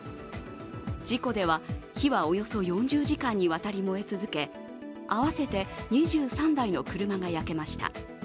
事故では、火はおよそ４０時間にわたり燃え続け合わせて２３台の車が焼けました。